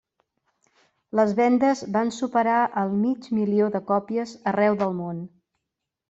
Les vendes van superar el mig milió de còpies arreu del món.